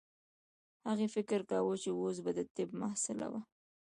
هغې فکر کاوه چې اوس به د طب محصله وه